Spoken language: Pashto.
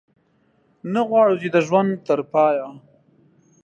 نه غواړو چې د ژوند تر پایه.